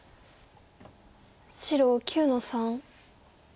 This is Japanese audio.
白９の三。